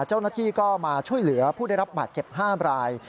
เจ้าหน้าที่ก็มาช่วยเหลือผู้ได้รับบาดเจ็บ๕ราย